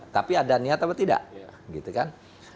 tapi ada niat apa tidak gitu kan